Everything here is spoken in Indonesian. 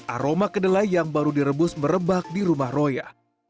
aroma kedelai yang baru direbus merebak di rumah roya